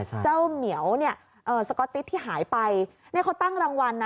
เจ้าเหมียวเนี่ยเอ่อสก๊อตติ๊ดที่หายไปเนี่ยเขาตั้งรางวัลนะ